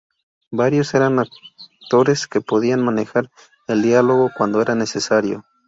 Varios eran actores que podían manejar el diálogo cuando era necesario.